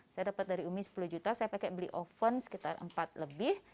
saya dapat dari umi sepuluh juta saya pakai beli oven sekitar empat lebih